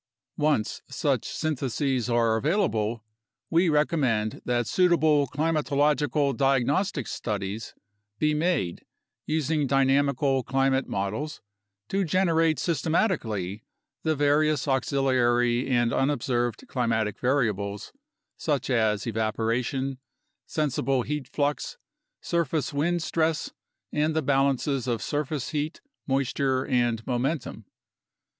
Once such syntheses are available, we recommend that suitable climatological diagnostic studies be made using dynamical climate models to generate systematically the various auxiliary and unobserved climatic variables, such as evaporation, sensible heat flux, surface wind stress, and the balances of surface heat, moisture, and momentum.